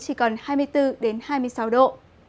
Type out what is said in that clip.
chỉ còn hai mươi bốn hai mươi sáu độ